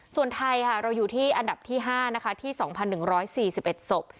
ส่วนไทยค่ะเราอยู่ที่อันดับที่ห้านะคะที่สองพันหนึ่งร้อยสี่สิบเอ็ดศพ